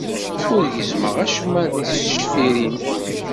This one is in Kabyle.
Ur gezzmeɣ acemma d ticfiṛin.